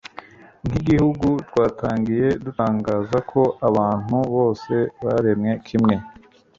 Nkigihugu twatangiye dutangaza ko abantu bose baremwe kimwe